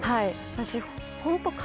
私。